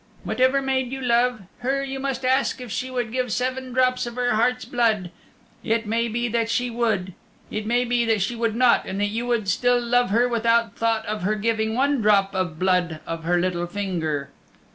"Whatever maid you love, her you must ask if she would give seven drops of her heart's blood. It may be that she would. It may be that she would not and that you would still love her without thought of her giving one drop of blood of her little finger."